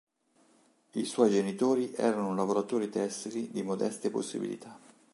I suoi genitori erano lavoratori tessili di modeste possibilità.